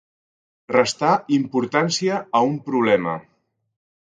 Restar importància a un problema.